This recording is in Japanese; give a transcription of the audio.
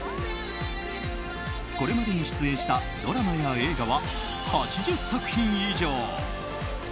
これまでに出演したドラマや映画は８０作品以上。